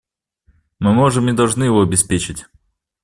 Мы можем и должны его обеспечить.